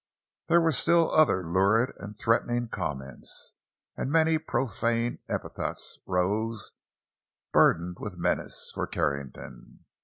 There were still other lurid and threatening comments. And many profane epithets rose, burdened with menace, for Carrington.